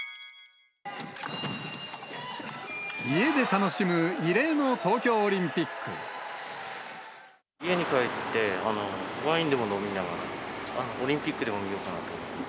家で楽しむ異例の東京オリン家に帰って、ワインでも飲みながら、オリンピックでも見ようかなと。